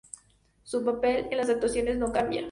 Su papel en las actuaciones no cambia.